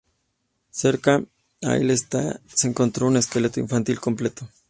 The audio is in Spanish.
Cerca, al este se encontró un esqueleto infantil completo.